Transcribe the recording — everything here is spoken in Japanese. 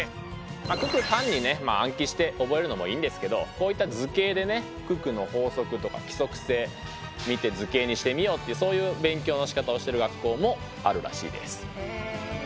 九九単にね暗記して覚えるのもいいんですけどこういった図形でね九九の法則とか規則性見て図形にしてみようっていうそういう勉強のしかたをしてる学校もあるらしいです。